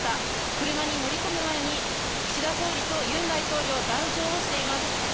車に乗り込む前に岸田総理とユン大統領、談笑をしています。